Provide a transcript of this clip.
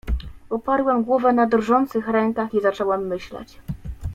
"Oparłem głowę na drżących rękach i zacząłem myśleć."